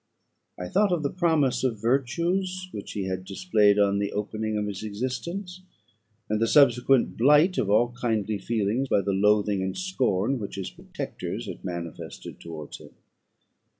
I thought of the promise of virtues which he had displayed on the opening of his existence, and the subsequent blight of all kindly feeling by the loathing and scorn which his protectors had manifested towards him.